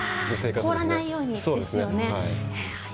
凍らないようにですよね。